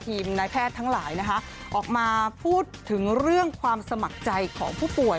นายแพทย์ทั้งหลายนะคะออกมาพูดถึงเรื่องความสมัครใจของผู้ป่วย